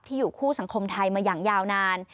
อยู่คู่สังคมไทยมาอย่างยาวนาน